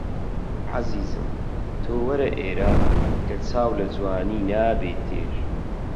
عەزیزم تۆ وەرە ئێرە کە چاو لە جوانی نابێ تێر